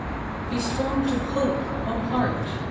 IF) E strong to hope , O Heart!